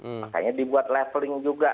makanya dibuat leveling juga